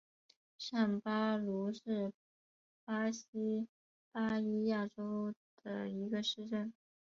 上巴鲁是巴西巴伊亚州的一个市镇。